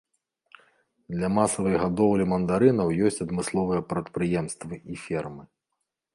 Для масавай гадоўлі мандарынаў ёсць адмысловыя прадпрыемствы і фермы.